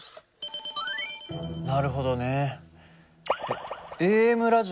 なるほどね。